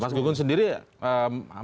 mas gunggun sendiri mengatakan